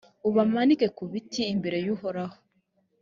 ubamanike ku biti imbere y’uhoraho.